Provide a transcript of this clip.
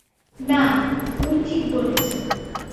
না, তুমি ঠিক বলেছ।